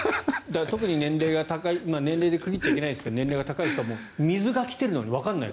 特に年齢が高い年齢で区切っちゃいけないんですが年齢が高い人は水が来ているのにわからない